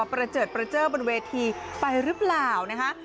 ประเจิดบนเวทีไปหรือเปล่านะครับ